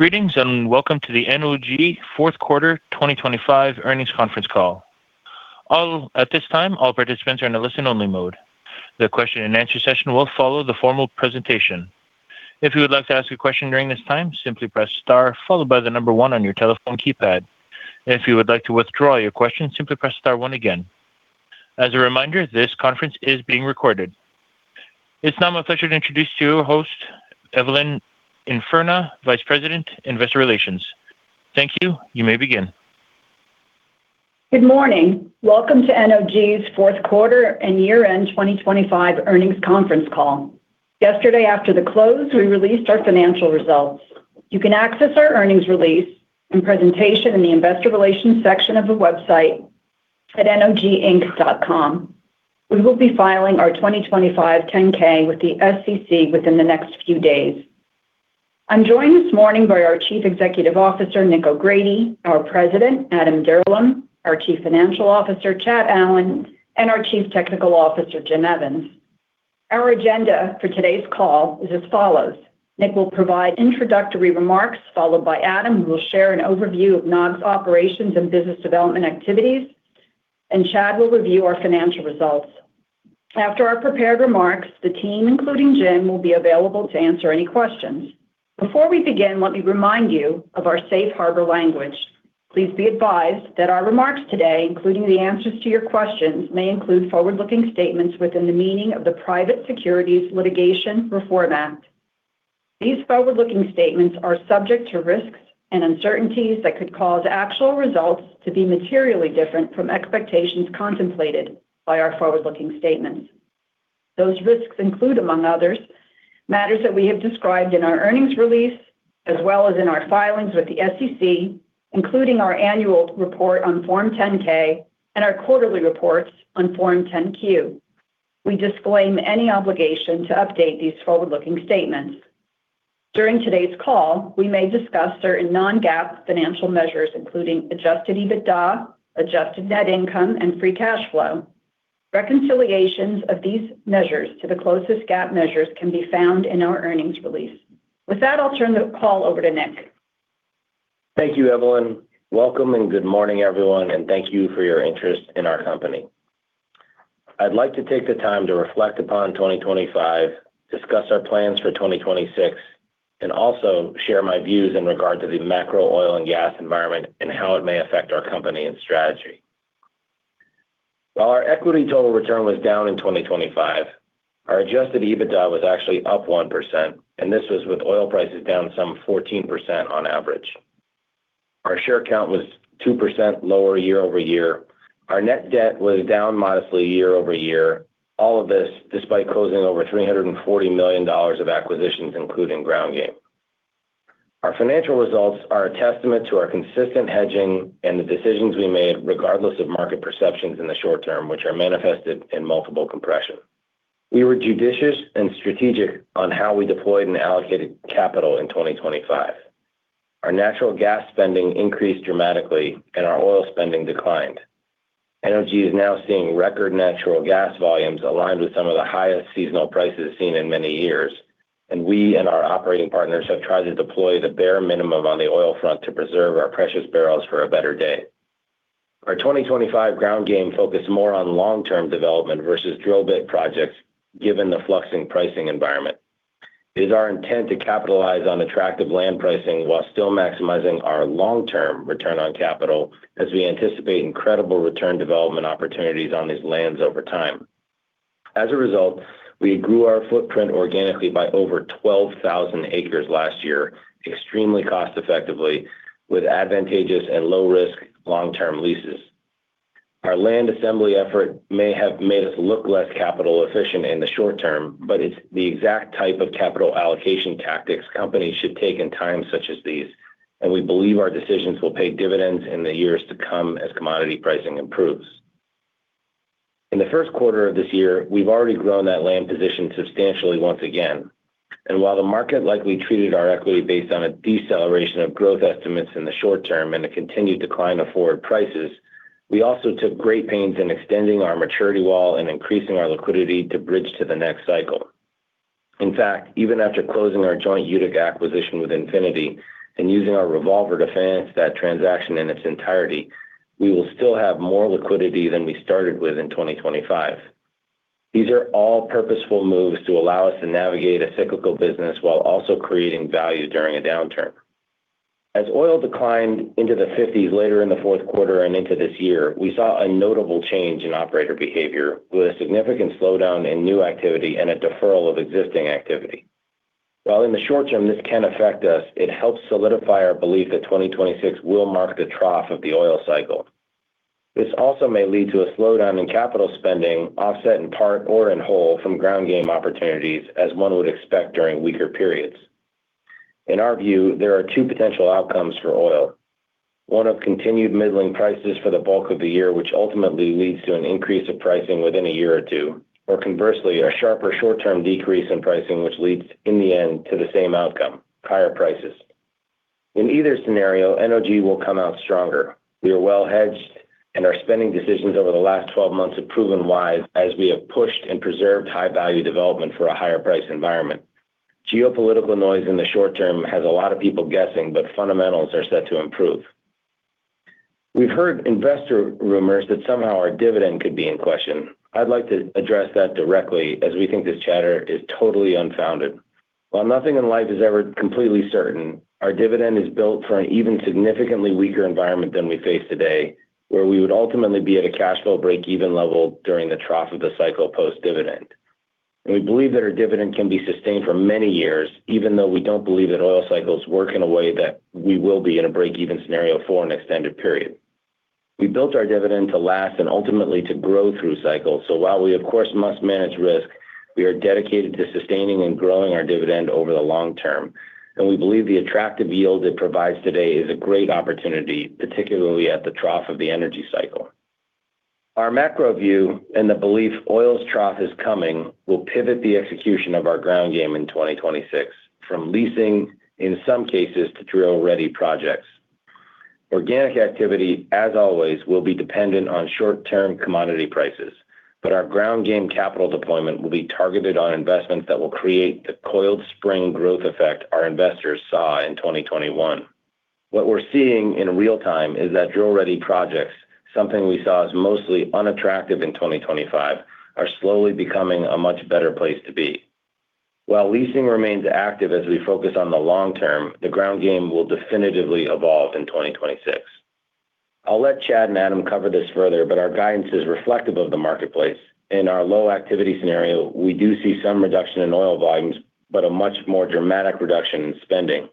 Greetings, welcome to the NOG Fourth Quarter 2025 Earnings Conference Call. At this time, all participants are in a listen-only mode. The question-and-answer session will follow the formal presentation. If you would like to ask a question during this time, simply press star followed by one on your telephone keypad. If you would like to withdraw your question, simply press star one again. As a reminder, this conference is being recorded. It's now my pleasure to introduce to you our host, Evelyn Infurna, Vice President, Investor Relations. Thank you. You may begin. Good morning. Welcome to NOG's Fourth Quarter and Year-End 2025 Earnings Conference Call. Yesterday, after the close, we released our financial results. You can access our earnings release and presentation in the investor relations section of the website at noginc.com. We will be filing our 2025 10-K with the SEC within the next few days. I'm joined this morning by our Chief Executive Officer, Nick O'Grady, our President, Adam Dirlam, our Chief Financial Officer, Chad Allen, and our Chief Technical Officer, Jim Evans. Our agenda for today's call is as follows: Nick will provide introductory remarks, followed by Adam, who will share an overview of NOG's operations and business development activities, and Chad will review our financial results. After our prepared remarks, the team, including Jim, will be available to answer any questions. Before we begin, let me remind you of our safe harbor language. Please be advised that our remarks today, including the answers to your questions, may include forward-looking statements within the meaning of the Private Securities Litigation Reform Act. These forward-looking statements are subject to risks and uncertainties that could cause actual results to be materially different from expectations contemplated by our forward-looking statements. Those risks include, among others, matters that we have described in our earnings release, as well as in our filings with the SEC, including our annual report on Form 10-K and our quarterly reports on Form 10-Q. We disclaim any obligation to update these forward-looking statements. During today's call, we may discuss certain non-GAAP financial measures, including Adjusted EBITDA, Adjusted net income, and Free Cash Flow. Reconciliations of these measures to the closest GAAP measures can be found in our earnings release. With that, I'll turn the call over to Nick. Thank you, Evelyn. Welcome and good morning, everyone, and thank you for your interest in our company. I'd like to take the time to reflect upon 2025, discuss our plans for 2026, and also share my views in regard to the macro oil and gas environment and how it may affect our company and strategy. While our equity total return was down in 2025, our Adjusted EBITDA was actually up 1%, and this was with oil prices down some 14% on average. Our share count was 2% lower year-over-year. Our net debt was down modestly year-over-year. All of this, despite closing over $340 million of acquisitions, including Ground Game. Our financial results are a testament to our consistent hedging and the decisions we made, regardless of market perceptions in the short term, which are manifested in multiple compression. We were judicious and strategic on how we deployed and allocated capital in 2025. Our natural gas spending increased dramatically and our oil spending declined. Energy is now seeing record natural gas volumes aligned with some of the highest seasonal prices seen in many years, and we and our operating partners have tried to deploy the bare minimum on the oil front to preserve our precious barrels for a better day. Our 2025 Ground Game focused more on long-term development versus drill bit projects, given the fluxing pricing environment. It is our intent to capitalize on attractive land pricing while still maximizing our long-term return on capital, as we anticipate incredible return development opportunities on these lands over time. We grew our footprint organically by over 12,000 acres last year, extremely cost-effectively, with advantageous and low-risk long-term leases. Our land assembly effort may have made us look less capital efficient in the short term, it's the exact type of capital allocation tactics companies should take in times such as these. We believe our decisions will pay dividends in the years to come as commodity pricing improves. In the first quarter of this year, we've already grown that land position substantially once again. While the market likely treated our equity based on a deceleration of growth estimates in the short term and a continued decline of forward prices, we also took great pains in extending our maturity wall and increasing our liquidity to bridge to the next cycle. Even after closing our joint Utica acquisition with Infinity and using our revolver to finance that transaction in its entirety, we will still have more liquidity than we started with in 2025. These are all purposeful moves to allow us to navigate a cyclical business while also creating value during a downturn. Oil declined into the $50s later in the fourth quarter and into this year, we saw a notable change in operator behavior, with a significant slowdown in new activity and a deferral of existing activity. In the short term, this can affect us, it helps solidify our belief that 2026 will mark the trough of the oil cycle. This also may lead to a slowdown in capital spending, offset in part or in whole from Ground Game opportunities, as one would expect during weaker periods. In our view, there are two potential outcomes for oil. One of continued middling prices for the bulk of the year, which ultimately leads to an increase of pricing within a one or two, or conversely, a sharper short-term decrease in pricing, which leads, in the end, to the same outcome, higher prices. In either scenario, NOG will come out stronger. We are well-hedged, and our spending decisions over the last 12 months have proven wise as we have pushed and preserved high-value development for a higher price environment. Geopolitical noise in the short term has a lot of people guessing, but fundamentals are set to improve. We've heard investor rumors that somehow our dividend could be in question. I'd like to address that directly as we think this chatter is totally unfounded. While nothing in life is ever completely certain, our dividend is built for an even significantly weaker environment than we face today, where we would ultimately be at a cash flow break-even level during the trough of the cycle post-dividend. We believe that our dividend can be sustained for many years, even though we don't believe that oil cycles work in a way that we will be in a break-even scenario for an extended period. We built our dividend to last and ultimately to grow through cycles. While we of course, must manage risk, we are dedicated to sustaining and growing our dividend over the long term, and we believe the attractive yield it provides today is a great opportunity, particularly at the trough of the energy cycle. Our macro view and the belief oil's trough is coming, will pivot the execution of our Ground Game in 2026, from leasing, in some cases, to drill-ready projects. Organic activity, as always, will be dependent on short-term commodity prices, our Ground Game capital deployment will be targeted on investments that will create the coiled spring growth effect our investors saw in 2021. What we're seeing in real-time is that drill-ready projects, something we saw as mostly unattractive in 2025, are slowly becoming a much better place to be. While leasing remains active as we focus on the long term, the Ground Game will definitively evolve in 2026. I'll let Chad and Adam cover this further, our guidance is reflective of the marketplace. In our low activity scenario, we do see some reduction in oil volumes, but a much more dramatic reduction in spending.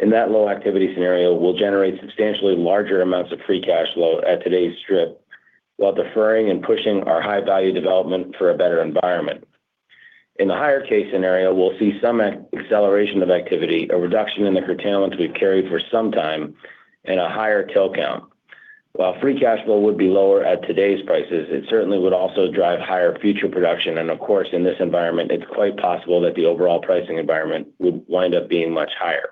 In that low activity scenario, we'll generate substantially larger amounts of Free Cash Flow at today's strip, while deferring and pushing our high-value development for a better environment. In the higher case scenario, we'll see some acceleration of activity, a reduction in the curtailments we've carried for some time, and a higher till count. While Free Cash Flow would be lower at today's prices, it certainly would also drive higher future production, and of course, in this environment, it's quite possible that the overall pricing environment would wind up being much higher.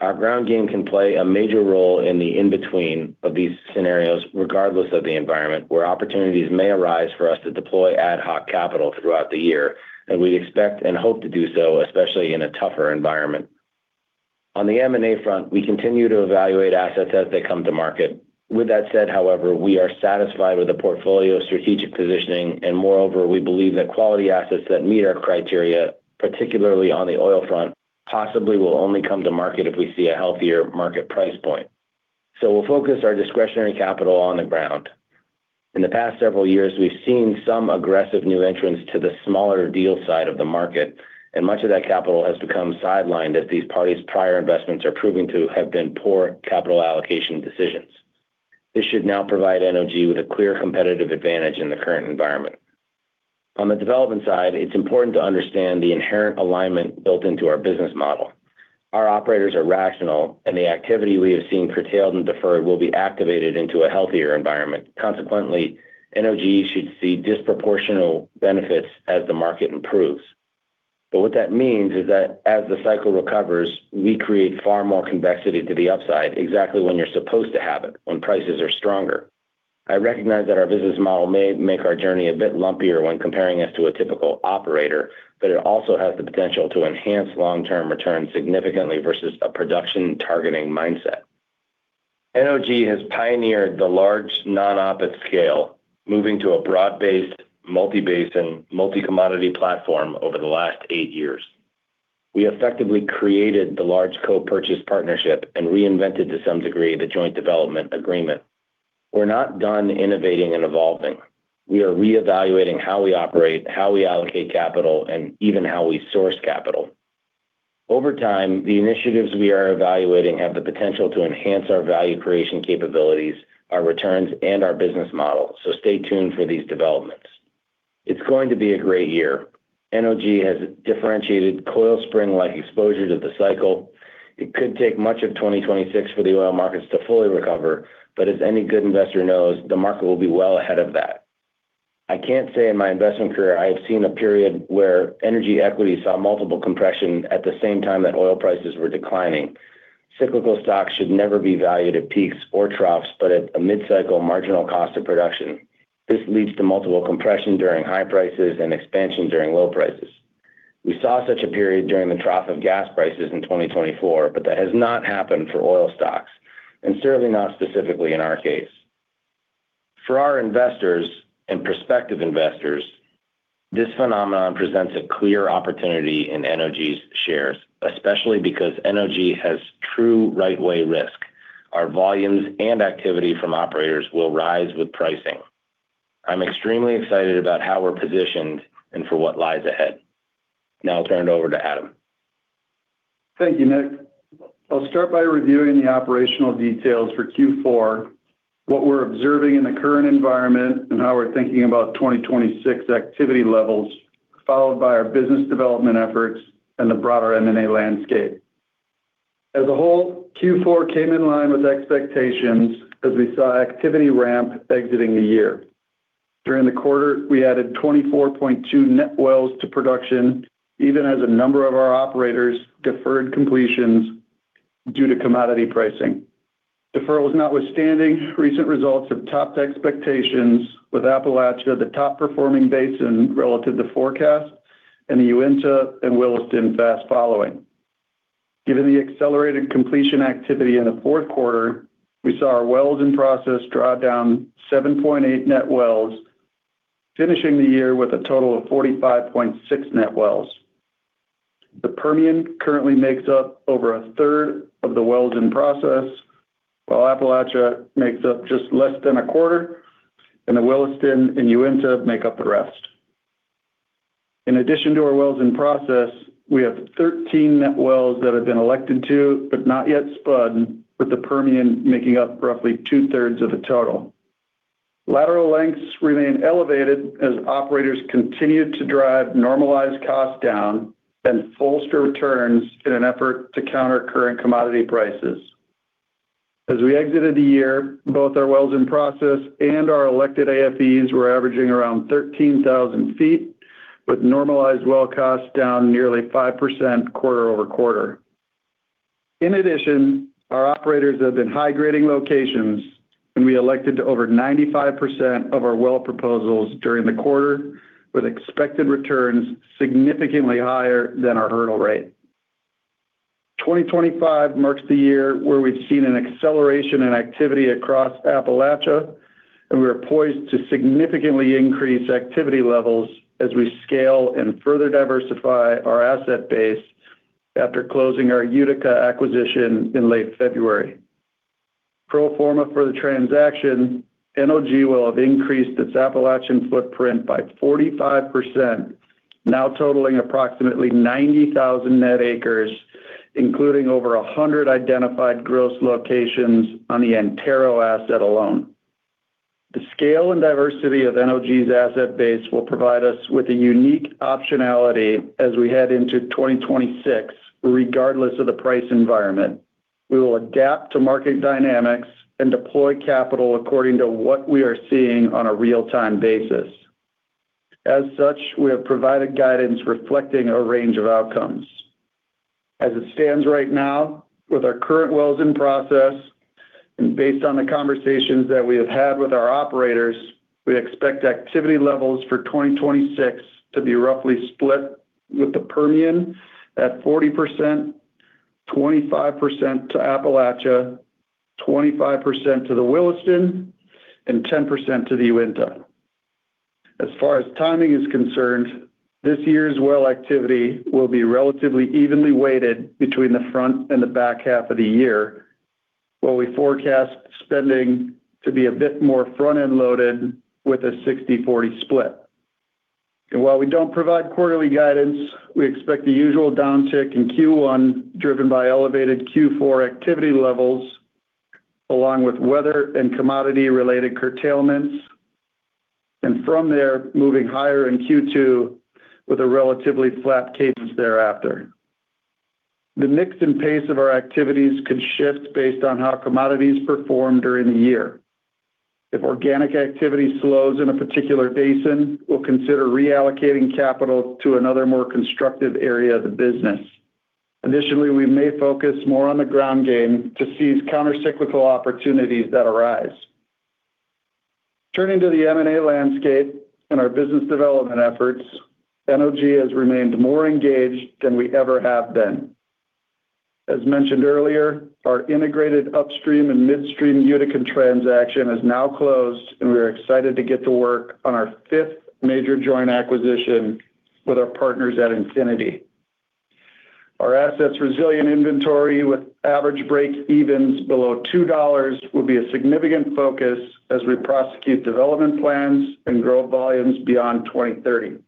Our Ground Game can play a major role in the in-between of these scenarios, regardless of the environment, where opportunities may arise for us to deploy ad hoc capital throughout the year, and we expect and hope to do so, especially in a tougher environment. On the M&A front, we continue to evaluate assets as they come to market. With that said, however, we are satisfied with the portfolio strategic positioning, and moreover, we believe that quality assets that meet our criteria, particularly on the oil front, possibly will only come to market if we see a healthier market price point. We'll focus our discretionary capital on the Ground Game. In the past several years, we've seen some aggressive new entrants to the smaller deal side of the market, and much of that capital has become sidelined as these parties' prior investments are proving to have been poor capital allocation decisions. This should now provide NOG with a clear competitive advantage in the current environment. On the development side, it's important to understand the inherent alignment built into our business model. Our operators are rational, and the activity we have seen curtailed and deferred will be activated into a healthier environment. Consequently, NOG should see disproportional benefits as the market improves. What that means is that as the cycle recovers, we create far more convexity to the upside, exactly when you're supposed to have it, when prices are stronger. I recognize that our business model may make our journey a bit lumpier when comparing us to a typical operator, but it also has the potential to enhance long-term returns significantly versus a production targeting mindset. NOG has pioneered the large non-op at scale, moving to a broad-based, multi-basin, multi-commodity platform over the last eight years. We effectively created the large co-purchase partnership and reinvented, to some degree, the Joint Development Agreement. We're not done innovating and evolving. We are reevaluating how we operate, how we allocate capital, and even how we source capital. Over time, the initiatives we are evaluating have the potential to enhance our value creation capabilities, our returns, and our business model. Stay tuned for these developments. It's going to be a great year. NOG has a differentiated coil spring-like exposure to the cycle. It could take much of 2026 for the oil markets to fully recover, as any good investor knows, the market will be well ahead of that. I can't say in my investment career, I have seen a period where energy equity saw multiple compression at the same time that oil prices were declining. Cyclical stocks should never be valued at peaks or troughs, but at a mid-cycle marginal cost of production. This leads to multiple compression during high prices and expansion during low prices. We saw such a period during the trough of gas prices in 2024. That has not happened for oil stocks, certainly not specifically in our case. For our investors and prospective investors, this phenomenon presents a clear opportunity in NOG's shares, especially because NOG has true right way risk. Our volumes and activity from operators will rise with pricing. I'm extremely excited about how we're positioned and for what lies ahead. I'll turn it over to Adam. Thank you, Nick. I'll start by reviewing the operational details for Q4, what we're observing in the current environment, and how we're thinking about 2026 activity levels, followed by our business development efforts and the broader M&A landscape. As a whole, Q4 came in line with expectations as we saw activity ramp exiting the year. During the quarter, we added 24.2 net wells to production, even as a number of our operators deferred completions due to commodity pricing. Deferrals notwithstanding, recent results have topped expectations, with Appalachia the top performing basin relative to forecast, and the Uinta and Williston fast following. Given the accelerated completion activity in the fourth quarter, we saw our wells in process draw down 7.8 net wells, finishing the with a total of 45.6 net wells. The Permian currently makes up over a third of the wells in process, while Appalachia makes up just less than a quarter, and the Williston and Uinta make up the rest. In addition to our wells in process, we have 13 net wells that have been elected to, but not yet spud, with the Permian making up roughly two-thirds of the total. Lateral lengths remain elevated as operators continue to drive normalized costs down and foster returns in an effort to counter current commodity prices. As we exited the year, both our wells in process and our elected AFEs were averaging around 13,000 feet, with normalized well costs down nearly 5% quarter-over-quarter. In addition, our operators have been high-grading locations, and we elected over 95% of our well proposals during the quarter, with expected returns significantly higher than our hurdle rate. 2025 marks the year where we've seen an acceleration in activity across Appalachia, and we are poised to significantly increase activity levels as we scale and further diversify our asset base after closing our Utica acquisition in late February. Pro forma for the transaction, NOG will have increased its Appalachian footprint by 45%, now totaling approximately 90,000 net acres, including over 100 identified gross locations on the Antero asset alone. The scale and diversity of NOG's asset base will provide us with a unique optionality as we head into 2026, regardless of the price environment. We will adapt to market dynamics and deploy capital according to what we are seeing on a real-time basis. As such, we have provided guidance reflecting a range of outcomes. As it stands right now, with our current wells in process and based on the conversations that we have had with our operators, we expect activity levels for 2026 to be roughly split, with the Permian at 40%, 25% to Appalachia, 25% to the Williston, and 10% to the Uinta. As far as timing is concerned, this year's well activity will be relatively evenly weighted between the front and the back half of the year, while we forecast spending to be a bit more front-end loaded with a 60/40 split. While we don't provide quarterly guidance, we expect the usual downtick in Q1, driven by elevated Q4 activity levels, along with weather and commodity-related curtailments, from there, moving higher in Q2 with a relatively flat cadence thereafter. The mix and pace of our activities can shift based on how commodities perform during the year. If organic activity slows in a particular basin, we'll consider reallocating capital to another, more constructive area of the business. Additionally, we may focus more on the Ground Game to seize countercyclical opportunities that arise. Turning to the M&A landscape and our business development efforts, NOG has remained more engaged than we ever have been. As mentioned earlier, our integrated upstream and midstream Utica transaction is now closed, and we are excited to get to work on our fifth major joint acquisition with our partners at Infinity. Our assets resilient inventory, with average break evens below $2, will be a significant focus as we prosecute development plans and grow volumes beyond 2030.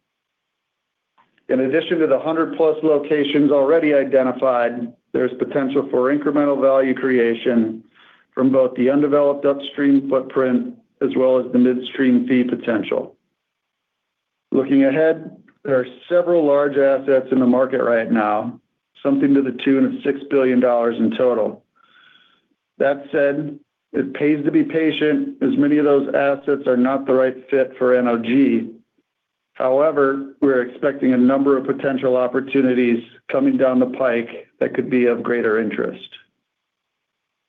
In addition to the 100-plus locations already identified, there's potential for incremental value creation from both the undeveloped upstream footprint as well as the midstream fee potential. Looking ahead, there are several large assets in the market right now, something to the tune of $6 billion in total. That said, it pays to be patient, as many of those assets are not the right fit for NOG. We're expecting a number of potential opportunities coming down the pike that could be of greater interest.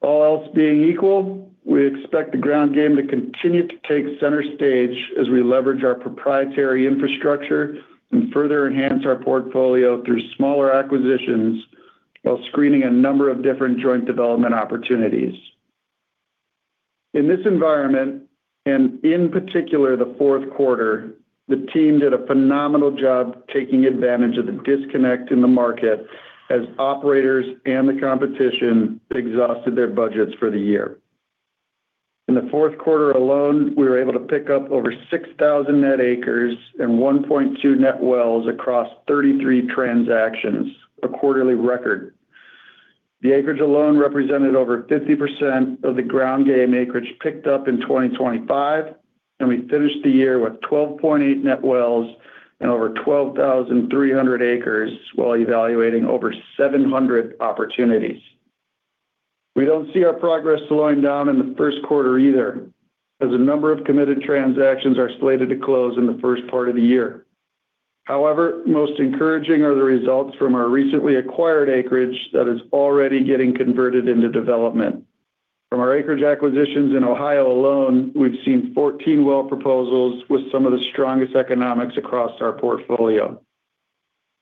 All else being equal, we expect the Ground Game to continue to take center stage as we leverage our proprietary infrastructure and further enhance our portfolio through smaller acquisitions, while screening a number of different joint development opportunities. In this environment, and in particular, the fourth quarter, the team did a phenomenal job taking advantage of the disconnect in the market as operators and the competition exhausted their budgets for the year. In the fourth quarter alone, we were able to pick up over 6,000 net acres and 1.2 net wells across 33 transactions, a quarterly record. The acreage alone represented over 50% of the Ground Game acreage picked up in 2025, and we finished the year with 12.8 net wells and over 12,300 acres, while evaluating over 700 opportunities. We don't see our progress slowing down in the first quarter either, as a number of committed transactions are slated to close in the first part of the year. Most encouraging are the results from our recently acquired acreage that is already getting converted into development. From our acreage acquisitions in Ohio alone, we've seen 14 well proposals with some of the strongest economics across our portfolio.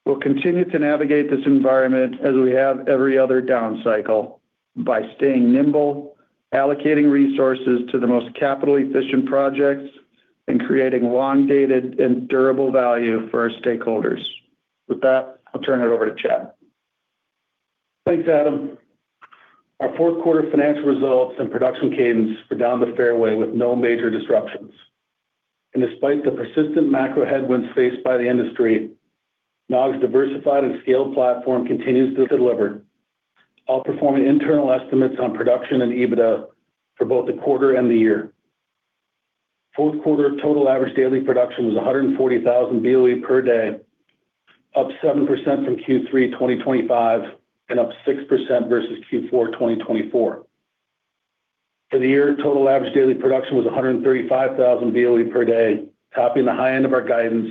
We'll continue to navigate this environment as we have every other down cycle, by staying nimble, allocating resources to the most capital-efficient projects, and creating long-dated and durable value for our stakeholders. With that, I'll turn it over to Chad. Thanks, Adam. Our fourth quarter financial results and production cadence were down the fairway with no major disruptions. Despite the persistent macro headwinds faced by the industry, NOG's diversified and scaled platform continues to deliver, outperforming internal estimates on production and EBITDA for both the quarter and the year. Fourth quarter total average daily production was 140,000 Boe per day, up 7% from Q3 2025, and up 6% versus Q4 2024. For the year, total average daily production was 135,000 Boe per day, topping the high end of our guidance,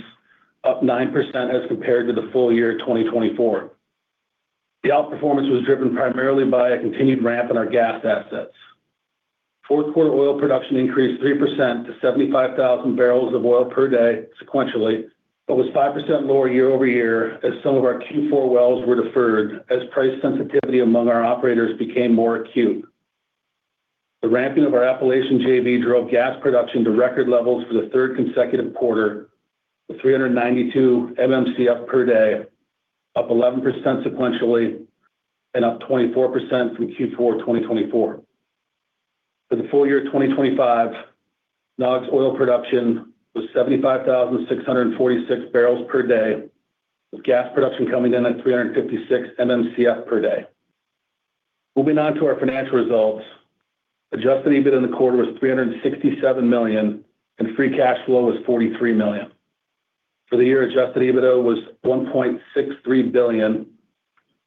up 9% as compared to the full year 2024. The outperformance was driven primarily by a continued ramp in our gas assets. Fourth quarter oil production increased 3% to 75,000 barrels of oil per day sequentially, was 5% lower year-over-year as some of our Q4 wells were deferred as price sensitivity among our operators became more acute. The ramping of our Appalachian JV drove gas production to record levels for the third consecutive quarter, with 392 MMcf per day, up 11% sequentially and up 24% from Q4 2024. For the full year 2025, NOG oil production was 75,646 barrels per day, with gas production coming in at 356 MMcf per day. Moving on to our financial results, Adjusted EBITDA in the quarter was $367 million, Free Cash Flow was $43 million. For the year, Adjusted EBITDA was $1.63 billion,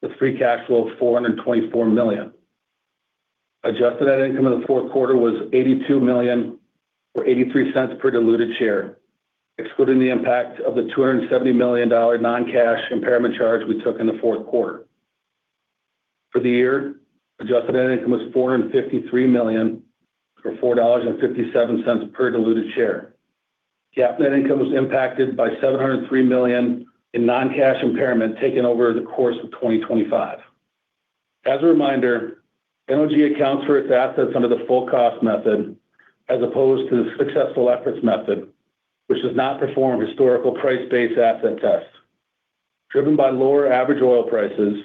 with Free Cash Flow of $424 million. Adjusted net income in the fourth quarter was $82 million, or $0.83 per diluted share, excluding the impact of the $270 million non-cash impairment charge we took in the fourth quarter. For the year, Adjusted net income was $453 million, or $4.57 per diluted share. GAAP net income was impacted by $703 million in non-cash impairment taken over the course of 2025. As a reminder, Energy accounts for its assets under the Full Cost method, as opposed to the Successful Efforts method, which does not perform historical price-based asset tests. Driven by lower average oil prices,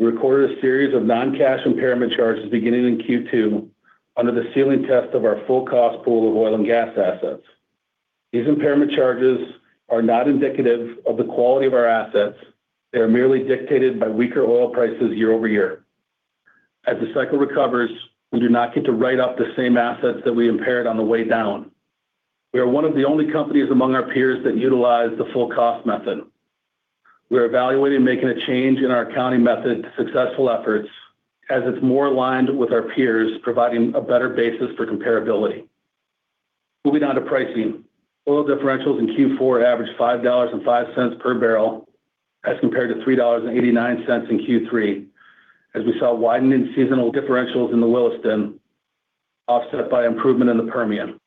we recorded a series of non-cash impairment charges beginning in Q2 under the ceiling test of our full cost pool of oil and gas assets. These impairment charges are not indicative of the quality of our assets. They are merely dictated by weaker oil prices year-over-year. As the cycle recovers, we do not get to write off the same assets that we impaired on the way down. We are one of the only companies among our peers that utilize the Full Cost method. We are evaluating making a change in our accounting method to Successful Efforts, as it's more aligned with our peers, providing a better basis for comparability. Moving on to pricing. Oil differentials in Q4 averaged $5.05 per barrel, as compared to $3.89 in Q3, as we saw widened in seasonal differentials in the Williston, offset by improvement in the Permian.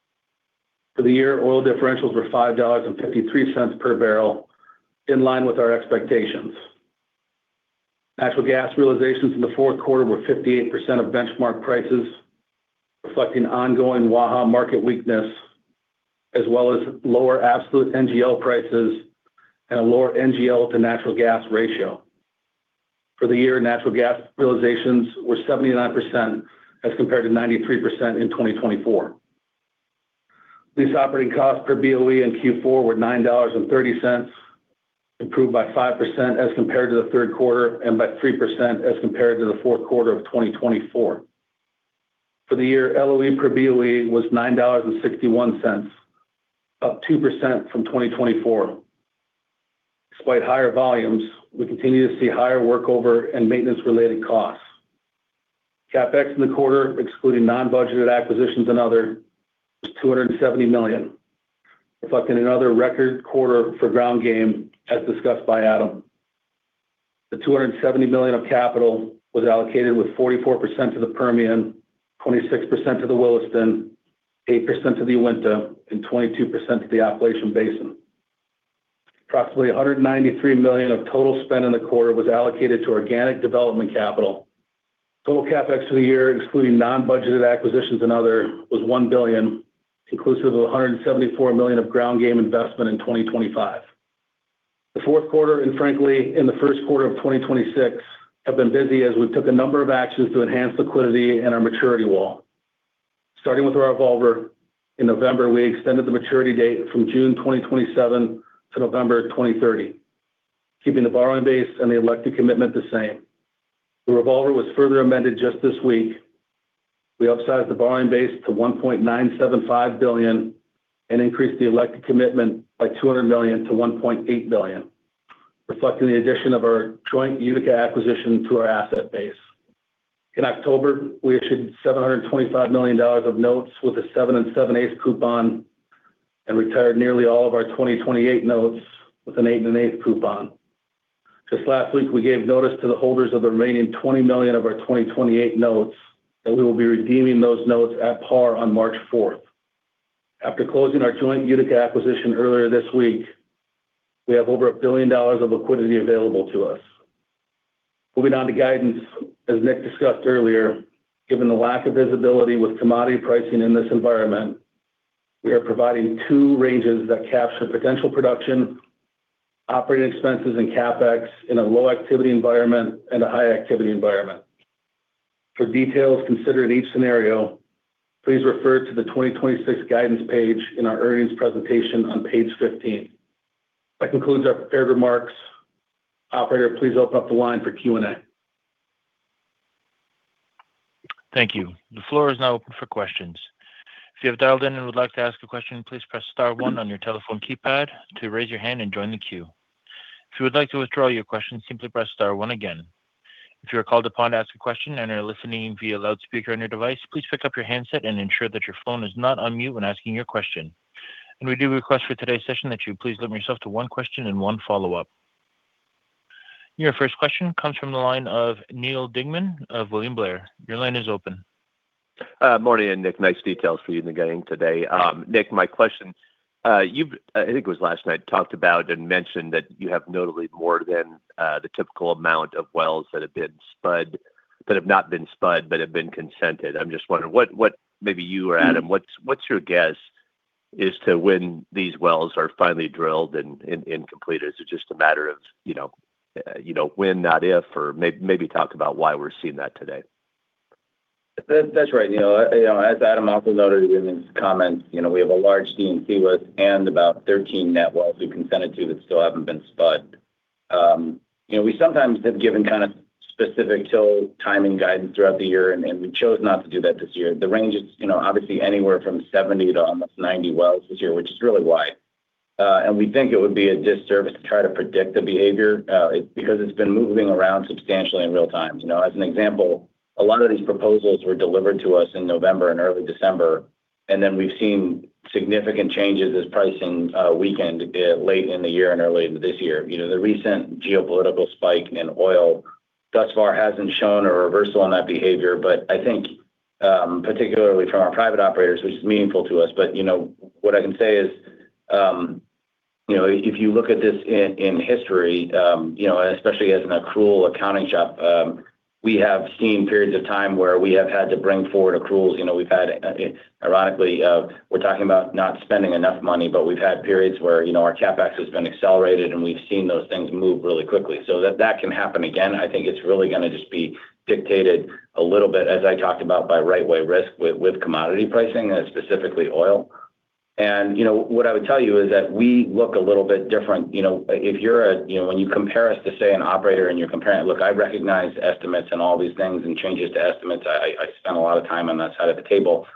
For the year, oil differentials were $5.53 per barrel, in line with our expectations. Natural gas realizations in the fourth quarter were 58% of benchmark prices, reflecting ongoing Waha market weakness, as well as lower absolute NGL prices and a lower NGL to natural gas ratio. For the year, natural gas realizations were 79%, as compared to 93% in 2024. Lease operating costs per Boe in Q4 were $9.30, improved by 5% as compared to the third quarter and by 3% as compared to the fourth quarter of 2024. For the year, Loe per Boe was $9.61, up 2% from 2024. Despite higher volumes, we continue to see higher workover and maintenance-related costs. CapEx in the quarter, excluding non-budgeted acquisitions and other, was $270 million, reflecting another record quarter for ground game, as discussed by Adam. The $270 million of capital was allocated, with 44% to the Permian, 26% to the Williston, 8% to the Uinta, and 22% to the Appalachian Basin. Approximately $193 million of total spend in the quarter was allocated to organic development capital. Total CapEx for the year, excluding non-budgeted acquisitions and other, was $1 billion, inclusive of $174 million of ground game investment in 2025. The fourth quarter, and frankly, in the first quarter of 2026, have been busy as we took a number of actions to enhance liquidity in our maturity wall. Starting with our revolver, in November, we extended the maturity date from June 2027 to November 2030, keeping the borrowing base and the elected commitment the same. The revolver was further amended just this week. We upsized the borrowing base to $1.975 billion and increased the elected commitment by $200 million to $1.8 billion, reflecting the addition of our joint Utica acquisition to our asset base. In October, we issued $725 million of notes with a 7 7/8% coupon and retired nearly all of our 2028 notes with an 8 1/8% coupon. Just last week, we gave notice to the holders of the remaining $20 million of our 2028 notes that we will be redeeming those notes at par on March 4th. After closing our joint Utica acquisition earlier this week, we have over $1 billion of liquidity available to us. Moving on to guidance, as Nick discussed earlier, given the lack of visibility with commodity pricing in this environment, we are providing two ranges that capture potential production, operating expenses, and CapEx in a low activity environment and a high activity environment. For details considered in each scenario, please refer to the 2026 guidance page in our earnings presentation on page 15. That concludes our prepared remarks. Operator, please open up the line for Q&A. Thank you. The floor is now open for questions. If you have dialed in and would like to ask a question, please press star one on your telephone keypad to raise your hand and join the queue. If you would like to withdraw your question, simply press star one again. If you are called upon to ask a question and are listening via loudspeaker on your device, please pick up your handset and ensure that your phone is not on mute when asking your question. We do request for today's session that you please limit yourself to 1 question and 1 follow-up. Your first question comes from the line of Neal Dingmann of William Blair. Your line is open. Morning, Nick, nice details for you in the getting today. Nick, my question, you've, I think it was last night, talked about and mentioned that you have notably more than the typical amount of wells that have not been spud, but have been consented. I'm just wondering, what maybe you or Adam, what's your guess as to when these wells are finally drilled and completed? Is it just a matter of, you know, you know, when not if, or maybe talk about why we're seeing that today? That's right, Neal. You know, as Adam also noted in his comments, you know, we have a large D&C list and about 13 net wells we consented to that still haven't been spud. You know, we sometimes have given kind of specific till timing guidance throughout the year, and we chose not to do that this year. The range is, you know, obviously anywhere from 70 to almost 90 wells this year, which is really wide. We think it would be a disservice to try to predict the behavior because it's been moving around substantially in real time. You know, as an example, a lot of these proposals were delivered to us in November and early December, and then we've seen significant changes as pricing weakened late in the year and early this year. You know, the recent geopolitical spike in oil thus far hasn't shown a reversal on that behavior, but I think, particularly from our private operators, which is meaningful to us. You know, what I can say is, you know, if you look at this in history, you know, especially as an accrual accounting shop, we have seen periods of time where we have had to bring forward accruals. You know, we've had, ironically, we're talking about not spending enough money, we've had periods where, you know, our CapEx has been accelerated, and we've seen those things move really quickly. That can happen again. I think it's really gonna just be dictated a little bit, as I talked about, by right way risk with commodity pricing and specifically oil. You know, what I would tell you is that we look a little bit different. You know, if you're a, you know, when you compare us to, say, an operator and you're comparing. Look, I recognize estimates and all these things and changes to estimates. I spent a lot of time on that side of the table.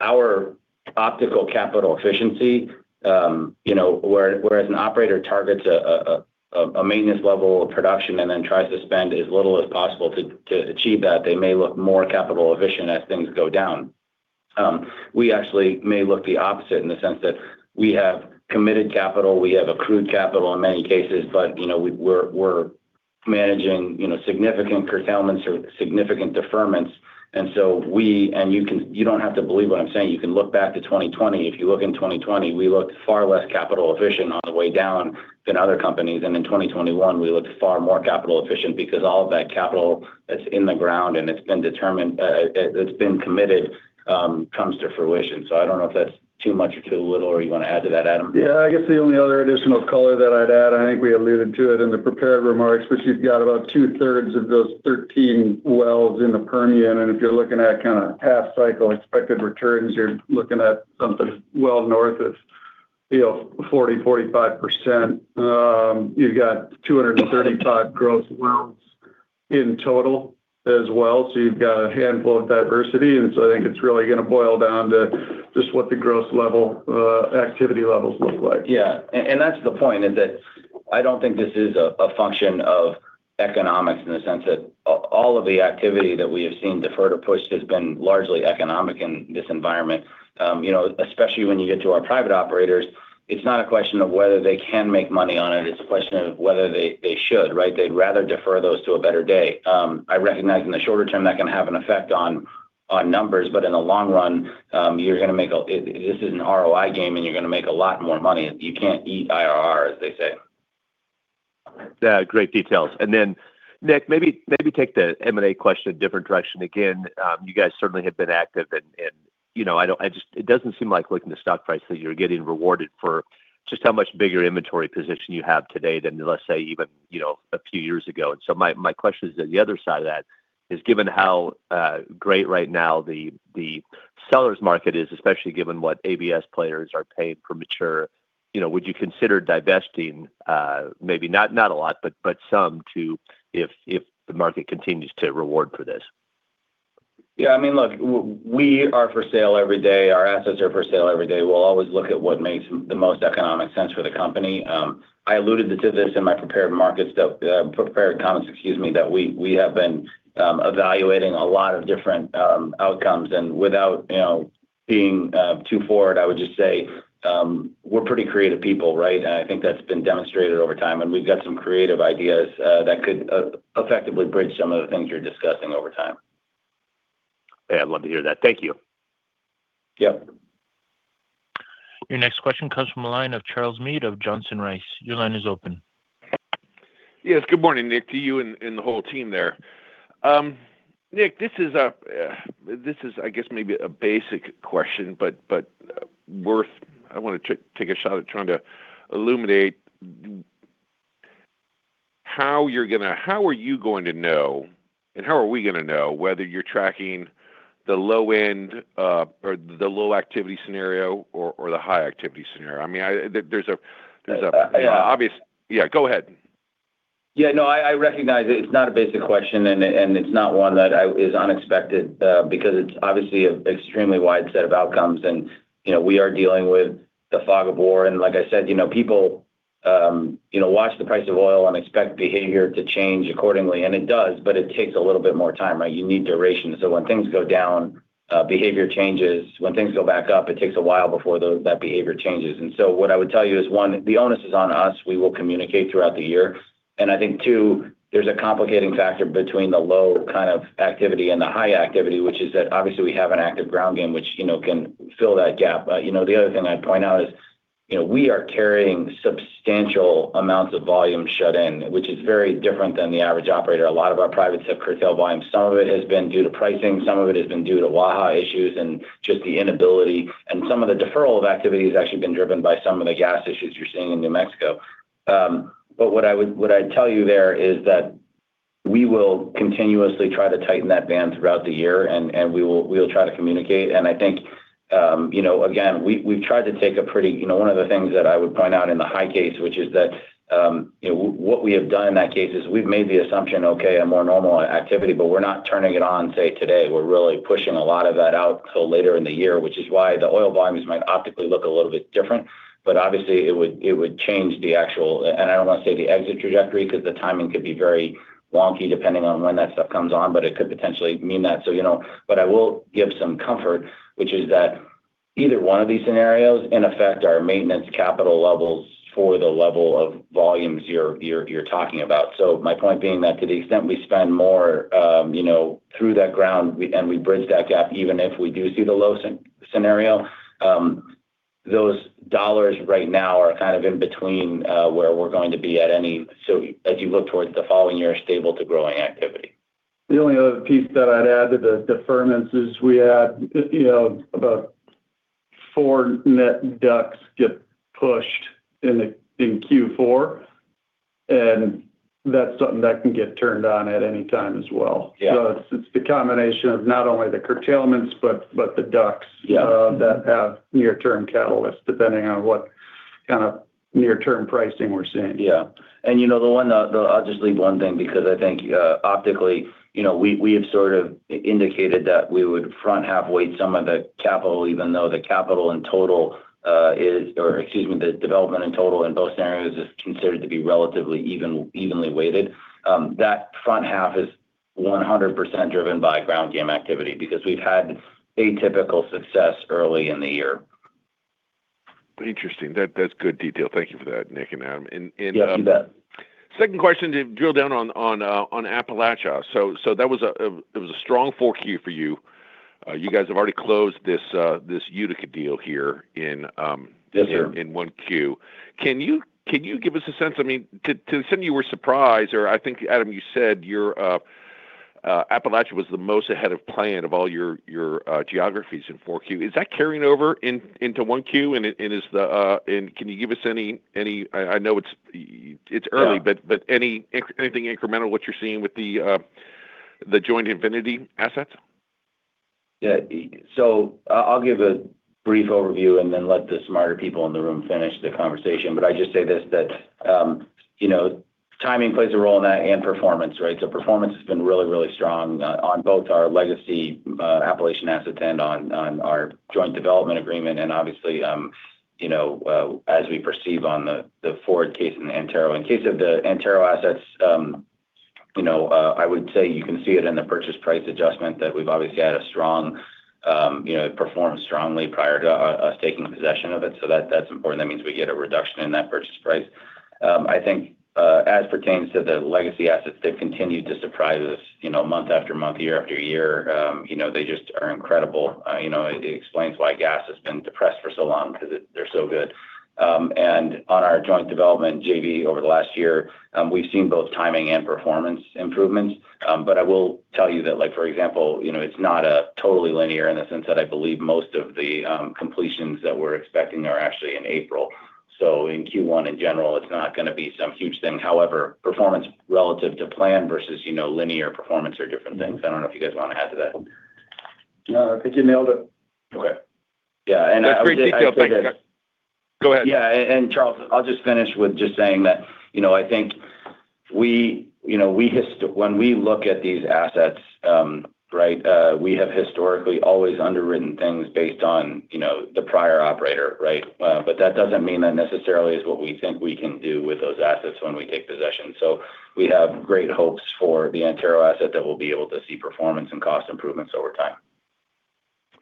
Our optical capital efficiency, you know, whereas an operator targets a maintenance level of production and then tries to spend as little as possible to achieve that, they may look more capital efficient as things go down. We actually may look the opposite in the sense that we have committed capital, we have accrued capital in many cases, but you know, we're managing, you know, significant curtailments or significant deferments. We, and you don't have to believe what I'm saying. You can look back to 2020. If you look in 2020, we looked far less capital efficient on the way down than other companies. In 2021, we looked far more capital efficient because all of that capital that's in the ground and it's been determined, it's been committed, comes to fruition. I don't know if that's too much or too little, or you want to add to that, Adam? I guess the only other additional color that I'd add, I think we alluded to it in the prepared remarks, which you've got about 2/3 of those 13 wells in the Permian. If you're looking at kind of half cycle expected returns, you're looking at something well north of, you know, 40%-45%. You've got 235 growth wells in total as well. You've got a handful of diversity, I think it's really gonna boil down to just what the growth level activity levels look like. That's the point, is that I don't think this is a function of economics in the sense that all of the activity that we have seen deferred or pushed has been largely economic in this environment. You know, especially when you get to our private operators, it's not a question of whether they can make money on it's a question of whether they should, right? They'd rather defer those to a better day. I recognize in the shorter term, that can have an effect on numbers, but in the long run, you're gonna make this is an ROI game, and you're gonna make a lot more money. You can't eat IRR, as they say. Yeah, great details. Then, Nick, maybe take the M&A question a different direction. Again, you guys certainly have been active and, you know, I just it doesn't seem like looking at stock prices, you're getting rewarded for just how much bigger inventory position you have today than, let's say, even, you know, a few years ago. So my question is that the other side of that, is given how great right now the sellers market is, especially given what ABS players are paying for mature, you know, would you consider divesting, maybe not a lot, but some if the market continues to reward for this? Yeah, I mean, look, we are for sale every day. Our assets are for sale every day. We'll always look at what makes the most economic sense for the company. I alluded to this in my prepared market prepared comments, excuse me, that we have been evaluating a lot of different outcomes. Without, you know, being too forward, I would just say, we're pretty creative people, right? I think that's been demonstrated over time, and we've got some creative ideas that could effectively bridge some of the things you're discussing over time. Hey, I'd love to hear that. Thank you. Yep. Your next question comes from the line of Charles Meade of Johnson Rice. Your line is open. Yes. Good morning, Nick, to you and the whole team there. Nick, this is a, this is, I guess, maybe a basic question, but worth... I wanna take a shot at trying to illuminate how you're going to know, and how are we gonna know, whether you're tracking the low end, or the low activity scenario or the high activity scenario? I mean, I, there's a, there's an obvious- Yeah, go ahead. Yeah, no, I recognize it. It's not a basic question, and it's not one that is unexpected, because it's obviously an extremely wide set of outcomes. You know, we are dealing with the fog of war. Like I said, you know, people, you know, watch the price of oil and expect behavior to change accordingly, and it does, but it takes a little bit more time, right? You need duration. When things go down, behavior changes. When things go back up, it takes a while before that behavior changes. What I would tell you is, one, the onus is on us. We will communicate throughout the year. I think, two, there's a complicating factor between the low kind of activity and the high activity, which is that obviously we have an active Ground Game, which, you know, can fill that gap. you know, the other thing I'd point out is, you know, we are carrying substantial amounts of volume shut-in, which is very different than the average operator. A lot of our private have curtail volume. Some of it has been due to pricing, some of it has been due to Waha issues and just the inability, and some of the deferral of activity has actually been driven by some of the gas issues you're seeing in New Mexico. What I'd tell you there is that we will continuously try to tighten that band throughout the year, and we will, we'll try to communicate. I think, you know, again, we've tried to take a pretty. You know, one of the things that I would point out in the high case, which is that, you know, what we have done in that case is we've made the assumption, okay, a more normal activity, but we're not turning it on, say, today. We're really pushing a lot of that out till later in the year, which is why the oil volumes might optically look a little bit different, but obviously, it would change the actual. I don't want to say the exit trajectory, because the timing could be very wonky, depending on when that stuff comes on, but it could potentially mean that. You know, but I will give some comfort, which is that either one of these scenarios, in effect, our maintenance capital levels for the level of volumes you're talking about. My point being that to the extent we spend more, you know, through that Ground Game, and we bridge that gap, even if we do see the low scenario, those dollars right now are kind of in between, where we're going to be at any. As you look towards the following year, stable to growing activity. The only other piece that I'd add to the deferments is we had, you know, about four net DUCs get pushed in the, in Q4. That's something that can get turned on at any time as well. Yeah. It's the combination of not only the curtailments, but the DUCs that have near-term catalysts, depending on what kind of near-term pricing we're seeing. Yeah. You know, the one, I'll just leave one thing because I think, optically, you know, we have sort of indicated that we would front half weight some of the capital, even though the capital in total, is, or excuse me, the development in total in both scenarios is considered to be relatively evenly weighted. That front half is 100% driven by Ground Game activity because we've had atypical success early in the year. Interesting. That's good detail. Thank you for that, Nick and Adam. Yeah, you bet. Second question, to drill down on Appalachia. that was a, it was a strong 4Q for you. you guys have already closed this Utica deal here in this year in 1Q. Can you give us a sense? I mean, to the extent you were surprised, or I think, Adam, you said your Appalachia was the most ahead of plan of all your geographies in 4Q. Is that carrying over into 1Q? Can you give us any, I know it's early, but anything incremental, what you're seeing with the joint Infinity assets? I'll give a brief overview and then let the smarter people in the room finish the conversation. I just say this, that, you know, timing plays a role in that and performance, right? Performance has been really, really strong on both our legacy Appalachian asset and on our Joint Development Agreement. Obviously, you know, as we perceive on the forward case in case of the Antero assets, you know, I would say you can see it in the purchase price adjustment, that we've obviously had a strong, you know, performed strongly prior to us taking possession of it. That's important. That means we get a reduction in that purchase price. I think as pertains to the legacy assets, they've continued to surprise us, month after month, year after year. They just are incredible. It explains why gas has been depressed for so long, because they're so good. On our joint development, JV, over the last year, we've seen both timing and performance improvements. I will tell you that, for example, it's not a totally linear in the sense that I believe most of the completions that we're expecting are actually in April. In Q1, in general, it's not gonna be some huge thing. However, performance relative to plan versus linear performance are different things. I don't know if you guys want to add to that? No, I think you nailed it. Okay. Yeah. That's great detail. Thank you. Go ahead. Yeah, Charles, I'll just finish with just saying that, you know, I think we, you know, when we look at these assets, right, we have historically always underwritten things based on, you know, the prior operator, right? That doesn't mean that necessarily is what we think we can do with those assets when we take possession. We have great hopes for the Antero asset that we'll be able to see performance and cost improvements over time.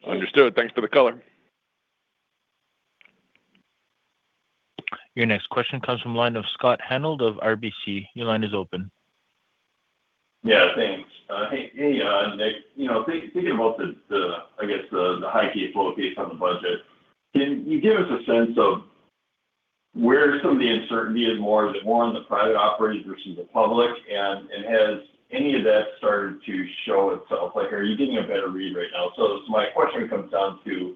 Understood. Thanks for the color. Your next question comes from the line of Scott Hanold of RBC. Your line is open. Yeah, thanks. hey, Nick, you know, thinking about the, I guess, the high case, low case on the budget, can you give us a sense of where some of the uncertainty is more, is it more on the private operators versus the public? Has any of that started to show itself? Like, are you getting a better read right now? My question comes down to,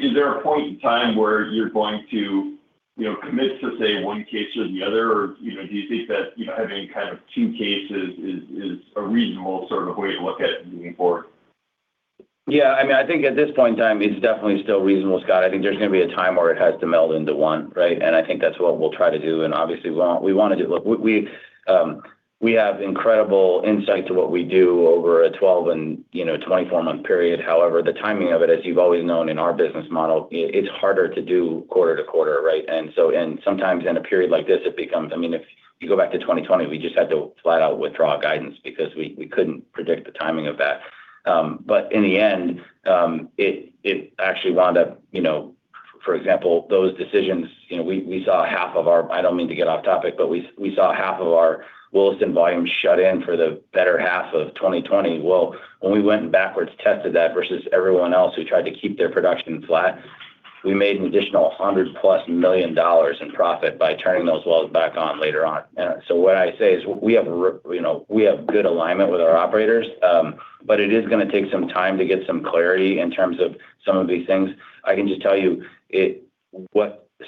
is there a point in time where you're going to, you know, commit to, say, one case or the other? Or, you know, do you think that, you know, having kind of two cases is a reasonable sort of way to look at it moving forward? Yeah, I mean, I think at this point in time, it's definitely still reasonable, Scott. I think there's gonna be a time where it has to meld into one, right? I think that's what we'll try to do, and obviously, we wanna do. Look, we have incredible insight to what we do over a 12 and, you know, 24-month period. However, the timing of it, as you've always known in our business model, it's harder to do quarter to quarter, right? Sometimes in a period like this, I mean, if you go back to 2020, we just had to flat out withdraw guidance because we couldn't predict the timing of that. In the end, it actually wound up, you know... For example, those decisions, you know, we saw half of our Williston volume shut in for the better half of 2020. Well, when we went and backwards tested that versus everyone else who tried to keep their production flat, we made an additional $100+ million in profit by turning those wells back on later on. What I say is we have good alignment with our operators, but it is gonna take some time to get some clarity in terms of some of these things. I can just tell you.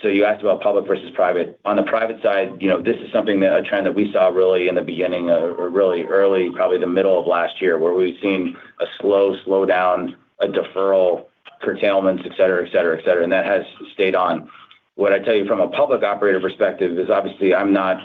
You asked about public versus private. On the private side, you know, this is something that, a trend that we saw really in the beginning of, or really early, probably the middle of last year, where we've seen a slowdown, a deferral, curtailments, et cetera, et cetera, et cetera, and that has stayed on. What I'd tell you from a public operator perspective is obviously I'm not,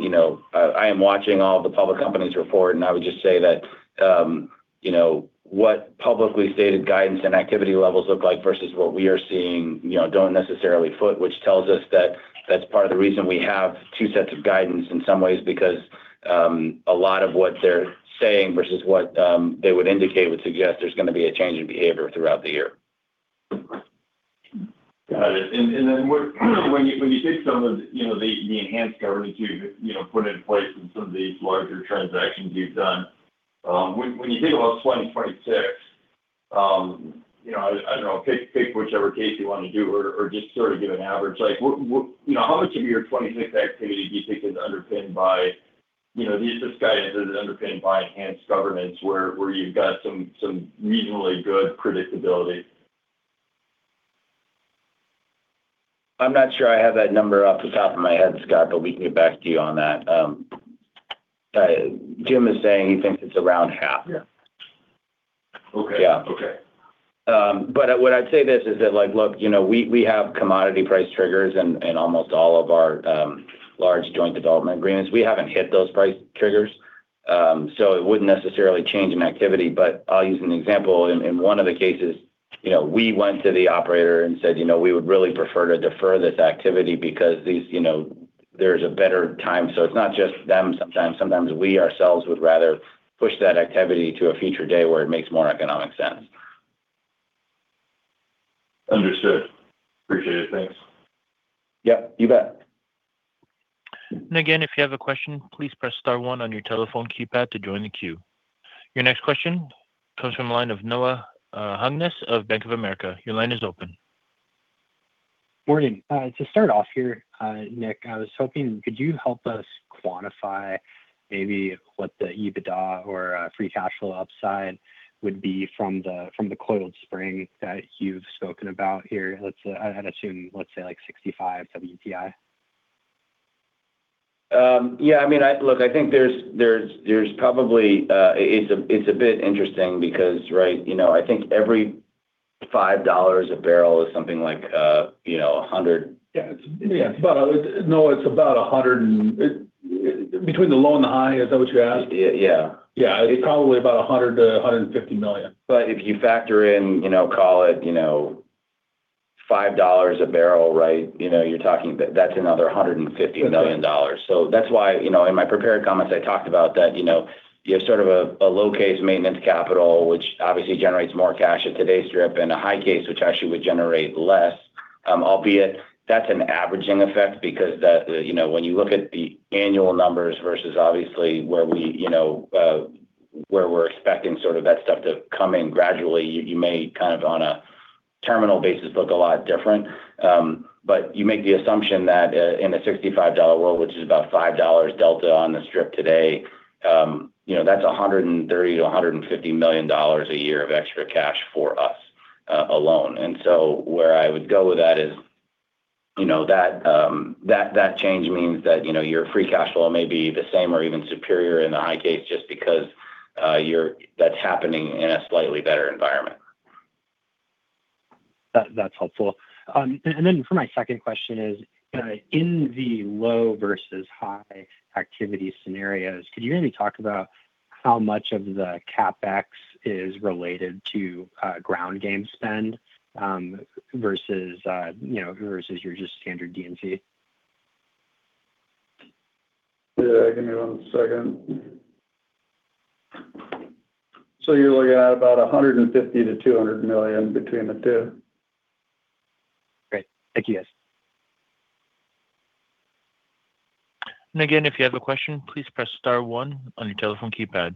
you know... I am watching all the public companies report, and I would just say that, you know, what publicly stated guidance and activity levels look like versus what we are seeing, you know, don't necessarily foot, which tells us that that's part of the reason we have two sets of guidance in some ways because a lot of what they're saying versus what they would indicate would suggest there's gonna be a change in behavior throughout the year. Got it. Then when you take some of the, you know, the enhanced governance you know put in place in some of these larger transactions you've done, when you think about 2026, you know, I don't know, pick whichever case you want to do or just sort of give an average. How much of your 2026 activity do you think is underpinned by, you know, the assistance guidance is underpinned by enhanced governance, where you've got some reasonably good predictability? I'm not sure I have that number off the top of my head, Scott, but we can get back to you on that. Jim is saying he thinks it's around half. Yeah. Okay. Yeah. Okay. What I'd say this is that, like, look, you know, we have commodity price triggers in almost all of our large Joint Development Agreements. We haven't hit those price triggers, so it wouldn't necessarily change in activity, but I'll use an example. In, in one of the cases, you know, we went to the operator and said, "You know, we would really prefer to defer this activity because these, you know, there's a better time." It's not just them sometimes. Sometimes we ourselves would rather push that activity to a future day where it makes more economic sense. Understood. Appreciate it. Thanks. Yeah, you bet. Again, if you have a question, please press star one on your telephone keypad to join the queue. Your next question comes from the line of Noah Hungness of Bank of America. Your line is open. Morning. To start off here, Nick, I was hoping, could you help us quantify maybe what the EBITDA or Free Cash Flow upside would be from the coiled spring that you've spoken about here? Let's, I'd assume, let's say, like, $65 WTI. Yeah, I mean, Look, I think there's probably, it's a bit interesting because, right, you know, I think every $5 a barrel is something like, you know, $100. Yeah. It's, yeah, about. No, it's about Between the low and the high, is that what you asked? Yeah. Yeah. It- It's probably about $100 million-$150 million. If you factor in, you know, call it, you know, $5 a barrel, right? You know, you're talking, that's another $150 million. Okay. That's why, you know, in my prepared comments, I talked about that, you know, you have sort of a low-case maintenance capital, which obviously generates more cash at today's strip, and a high case, which actually would generate less. Albeit that's an averaging effect because the, you know, when you look at the annual numbers versus obviously where we, you know, where we're expecting sort of that stuff to come in gradually, you may kind of on a terminal basis look a lot different. But you make the assumption that in a $65 world, which is about $5 delta on the strip today, you know, that's $130 million-$150 million a year of extra cash for us alone. where I would go with that is, you know, that change means that, you know, your Free Cash Flow may be the same or even superior in the high case just because, that's happening in a slightly better environment. That's helpful. For my second question is, in the low versus high activity scenarios, could you maybe talk about how much of the CapEx is related to Ground Game spend, versus, you know, versus your just standard D&C? Yeah. Give me one second. You're looking at about $150 million-$200 million between the two. Great. Thank you, guys. Again, if you have a question, please press star one on your telephone keypad.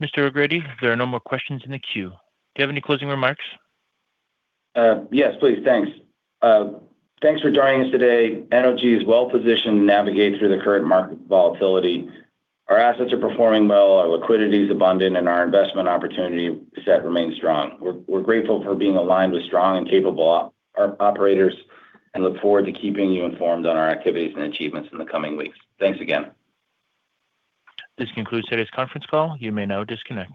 Mr. O'Grady, there are no more questions in the queue. Do you have any closing remarks? Yes, please. Thanks. Thanks for joining us today. Energy is well positioned to navigate through the current market volatility. Our assets are performing well, our liquidity is abundant, and our investment opportunity set remains strong. We're grateful for being aligned with strong and capable operators, and look forward to keeping you informed on our activities and achievements in the coming weeks. Thanks again. This concludes today's conference call. You may now disconnect.